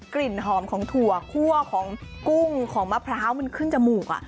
กลิ่นหอมของถั่วคั่วของกุ้งของมะพร้าวมันขึ้นจมูก